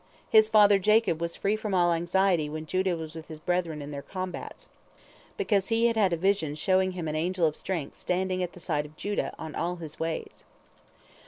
His father Jacob was free from all anxiety when Judah was with his brethren in their combats, because he had had a vision showing him an angel of strength standing at the side of Judah on all his ways.